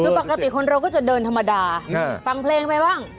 คือปกติคนเราก็จะเดินธรรมดาฟังเพลงไปบ้าง